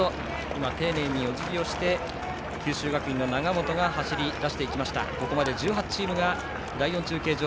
丁寧におじぎをして九州学院の永本が走り出しました。